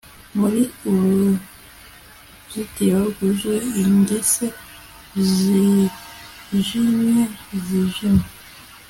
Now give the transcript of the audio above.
Muri uruzitiro rwuzuye ingese zijimye zijimye